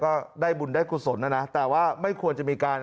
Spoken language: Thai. ก็ได้บุญได้กุศลนะนะแต่ว่าไม่ควรจะมีการ